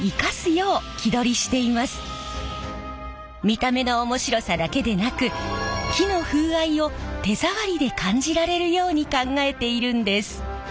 見た目の面白さだけでなく木の風合いを手触りで感じられるように考えているんです。